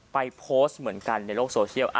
โพสต์เหมือนกันในโลกโซเชียล